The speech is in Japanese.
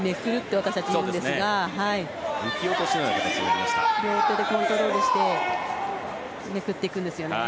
両手でコントロールしてめくっていくんですよね。